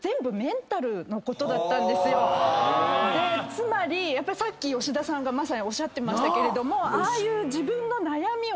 つまりさっき吉田さんがまさにおっしゃってましたけどああいう。